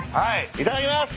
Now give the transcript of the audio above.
いただきます。